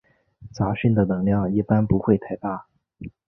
杂讯的能量一般不会太大。